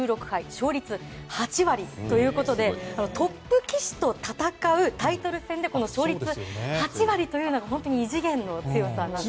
勝率８割ということでトップ棋士と戦うタイトル戦でこの勝率８割は本当に異次元の強さです。